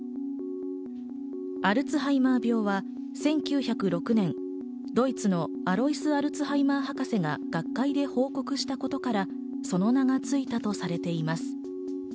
アルツハイマー病は１９０６年、ドイツのアロイス・アルツハイマー博士が学会で報告したことから、その名がついたとされています。